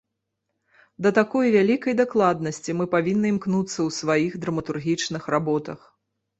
Да такой вялікай дакладнасці мы павінны імкнуцца ў сваіх драматургічных работах.